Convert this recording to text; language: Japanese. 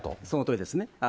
そのとおりですね。